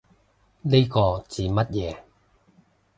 呢個指乜嘢